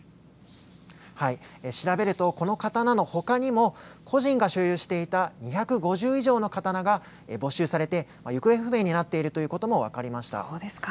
調べると、この刀のほかにも、個人が所有していた２５０以上の刀が没収されて行方不明になっているということも分かりました。